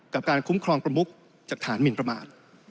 กับการคุ้มครองประมุกจากฐานหมินประมาท